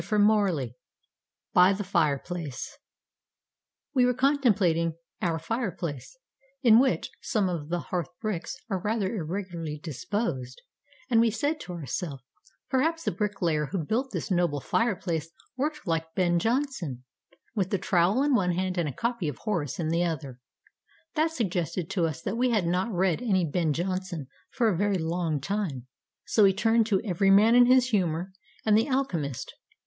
BY THE FIREPLACE We were contemplating our fireplace, in which, some of the hearth bricks are rather irregularly disposed; and we said to ourself, perhaps the brick layer who built this noble fireplace worked like Ben Jonson, with a trowel in one hand and a copy of Horace in the other. That suggested to us that we had not read any Ben Jonson for a very long time: so we turned to "Every Man in His Humour" and "The Alchemist."